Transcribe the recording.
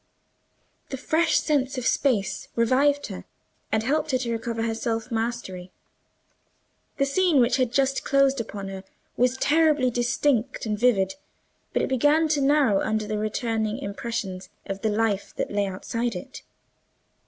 The fresh sense of space revived her, and helped her to recover her self mastery. The scene which had just closed upon her was terribly distinct and vivid, but it began to narrow under the returning impressions of the life that lay outside it.